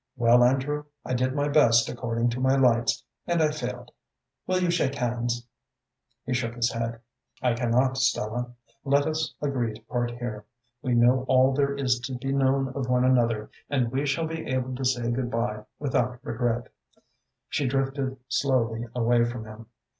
"Well, Andrew, I did my best according to my lights, and I failed. Will you shake hands?" He shook his head. "I cannot, Stella. Let us agree to part here. We know all there is to be known of one another, and we shall be able to say good by without regret." She drifted slowly away from him.